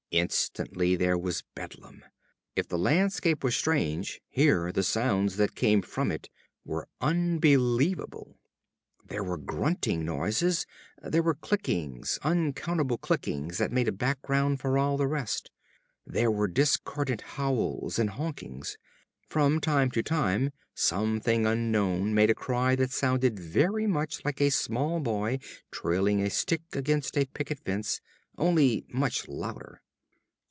Instantly there was bedlam. If the landscape was strange, here, the sounds that came from it were unbelievable. There were grunting noises. There were clickings, uncountable clickings that made a background for all the rest. There were discordant howls and honkings. From time to time some thing unknown made a cry that sounded very much like a small boy trailing a stick against a picket fence, only much louder.